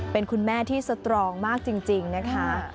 เป็นคุณแม่ที่สตรองมากจริงนะคะ